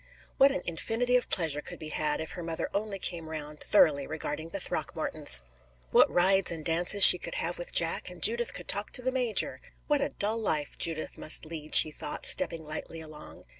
What an infinity of pleasure could be had, if her mother only came round thoroughly regarding the Throckmortons! What rides and dances she could have with Jack, and Judith could talk to the major! "What a dull life Judith must lead!" she thought, stepping lightly along.